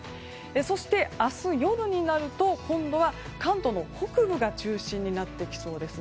そして、明日夜になると今度は関東の北部が中心になってきそうです。